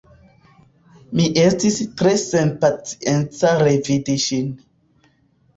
Mi estis tre senpacienca revidi ŝin.